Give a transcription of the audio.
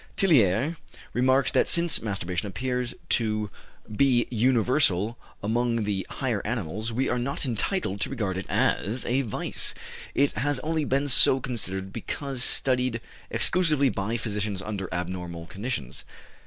" Tillier remarks that since masturbation appears to be universal among the higher animals we are not entitled to regard it as a vice; it has only been so considered because studied exclusively by physicians under abnormal conditions.